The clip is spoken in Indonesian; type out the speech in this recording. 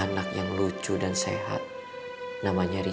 saya berdosa mbak